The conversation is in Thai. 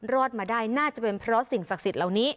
รอดมาได้น่าจะเป็นเพราะสิ่งศักดิ์สิทธิ์เหล่านี้